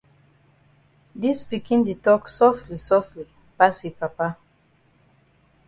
Dis pikin di tok sofli sofli pass yi pa.